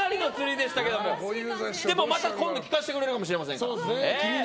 でもまた今度聞かせてくれるかもしれません。